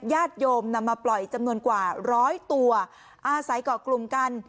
ญาติโยมนำมาปล่อยจำนวนกว่าร้อยตัวอาศัยก่อกลุ่มกัน